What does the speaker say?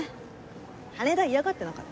羽田嫌がってなかった？